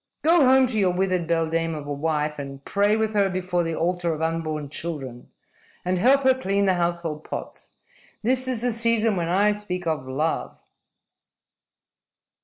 "Go home to your withered beldame of a wife and pray with her before the altar of unborn children, and help her clean the household pots. This is the season when I speak of love!"